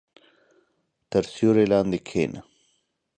• تر سیوري لاندې کښېنه.